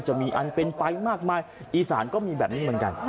จะมีอันเป็นไปมากมายอีสานก็มีแบบนี้เหมือนกัน